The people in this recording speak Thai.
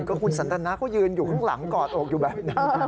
ก็คุณสันทนาเขายืนอยู่ข้างหลังกอดอกอยู่แบบนั้น